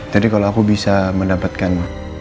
jadi kalau aku bisa mendapatkan